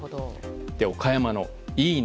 岡山のいいね